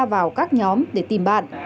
vào các nhóm để tìm bạn